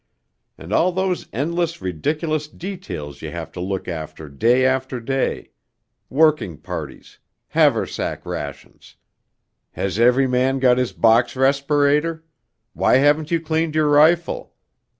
And all those endless ridiculous details you have to look after day after day ... working parties ... haversack rations ... has every man got his box respirator?... why haven't you cleaned your rifle?...